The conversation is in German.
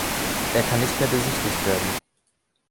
Er kann nicht mehr besichtigt werden.